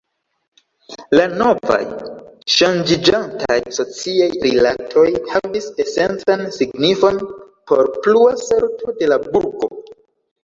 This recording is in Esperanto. La novaj, ŝanĝiĝantaj sociaj rilatoj, havis esencan signifon por plua sorto de la burgo.